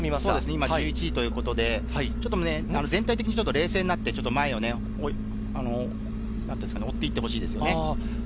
今１１位ということで、全体的に冷静になって前を追っていってほしいですね。